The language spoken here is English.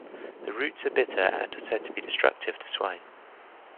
The roots are bitter and are said to be destructive to swine.